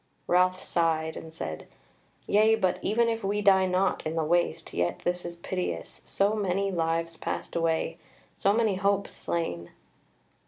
Ralph sighed, and said: "Yea, but even if we die not in the waste, yet this is piteous; so many lives passed away, so many hopes slain."